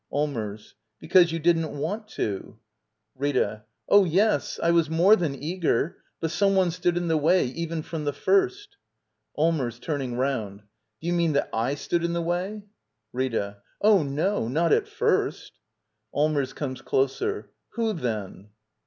Allmers. Because you didn't want to. Rita. Oh, yes. I was more than eager. But yi^ one f^^'A"^ '" ^hp way^—Firpn frnm th» firal Allmers. [Turning *round.] Do you mean that / stood in the way? Rita. Oh, no — not at first. Allmers. [Comes closer.] Who, then?